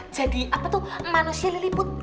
jadi apa tuh manusia lili put